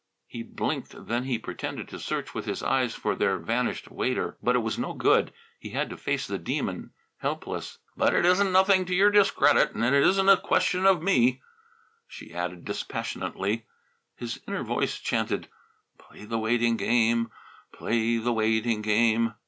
He blinked, then he pretended to search with his eyes for their vanished waiter. But it was no good. He had to face the Demon, helpless. "But that's nothing to your discredit, and it isn't a question of me," she added dispassionately. His inner voice chanted, "Play the waiting game; play the waiting game."